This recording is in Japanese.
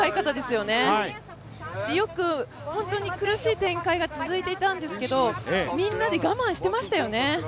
よく本当に苦しい展開が続いていたんですけれども、みんなで我慢してましたよね。